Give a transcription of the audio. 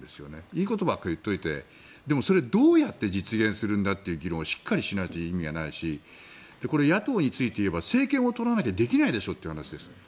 いいことばかり言っておいてでも、それをどうやって実現するんだという議論をしっかりしないと意味がないしこれ野党に関して言えばこれは政権を取らないとできないでしょという話です。